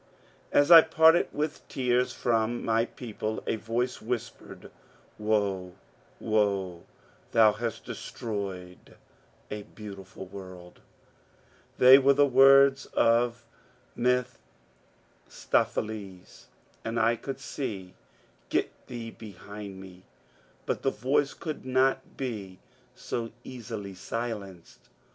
As I parted with tears from my people, a yoice whispered, «« Woe, woe, thou hast destroyed a beautiful world I " They were the words of Mephistopheles, and I could say, ^^ Get thee behind me ;'* but the yoice could not be so easily silenced.